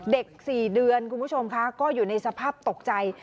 ๔เดือนคุณผู้ชมคะก็อยู่ในสภาพตกใจ